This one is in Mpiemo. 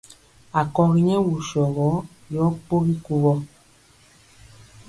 Akɔgi nyɛ wusɔ gɔ yɔ kpogi kuvɔ.